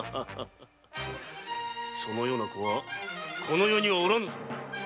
そのような子はこの世にはおらぬ！